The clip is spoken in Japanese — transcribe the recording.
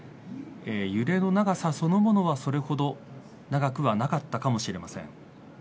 揺れの長さそのものはそれほど長くはなかったかもしれません。